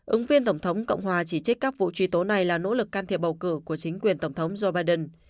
ứng viên tổng thống cộng hòa chỉ trích các vụ truy tố này là nỗ lực can thiệp bầu cử của chính quyền tổng thống joe biden